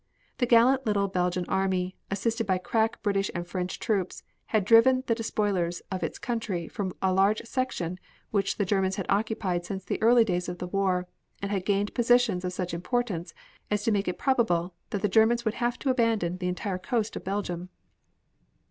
The gallant little Belgian army, assisted by crack British and French troops, had driven the despoilers of its country from a large section which the Germans had occupied since the early days of the war, and had gained positions of such importance as to make it probable that the Germans would have to abandon the entire coast of Belgium.